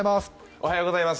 おはようございます。